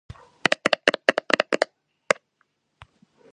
თავზე გააჩნიათ დიდი ზომის ბრტყელი წანაზარდი.